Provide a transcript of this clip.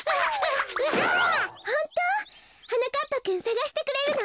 ホント？はなかっぱくんさがしてくれるの？